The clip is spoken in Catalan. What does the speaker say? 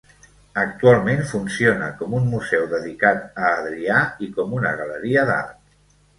Actualment funciona com un museu dedicat a Adrià i com una galeria d'art.